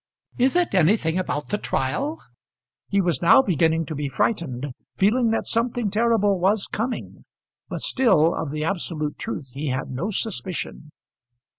"Is it anything about the trial?" He was now beginning to be frightened, feeling that something terrible was coming; but still of the absolute truth he had no suspicion.